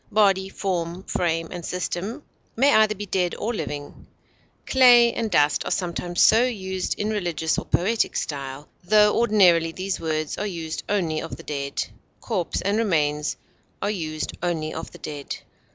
Body, form, frame, and system may be either dead or living; clay and dust are sometimes so used in religious or poetic style, tho ordinarily these words are used only of the dead. Corpse and remains are used only of the dead.